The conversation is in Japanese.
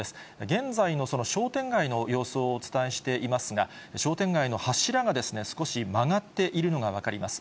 現在の商店街の様子をお伝えしていますが、商店街の柱が少し曲がっているのが分かります。